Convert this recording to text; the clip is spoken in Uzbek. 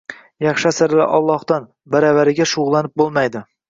Yaxshi asarlar Ollohdan. Baravariga shug‘ullanib bo‘lmaydi…